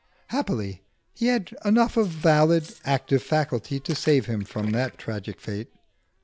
Happily he had enough of valid, active faculty to save him from that tragic fate.